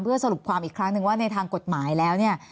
สรุปความอีกครั้งหนึ่งว่าในทางกฎหมายแล้วเนี่ย